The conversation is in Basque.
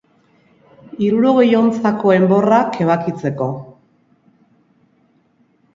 Hirurogei ontzako enborrak ebakitzeko.